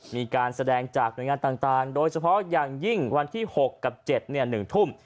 มีการแสดงจากหน่วยงานต่างโดยเฉพาะอย่างยิ่งวันที่๖กับ๗๑ทุ่ม